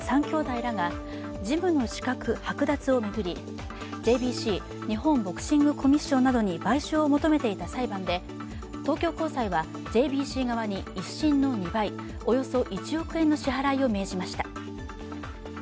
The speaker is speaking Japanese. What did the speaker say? ３兄弟らがジムの資格剥奪を巡り、ＪＢＣ＝日本ボクシングコミッションなどに賠償を求めていた裁判で東京高裁はＪＢＣ側に１審の２倍、およそ１億円の支払いを命じました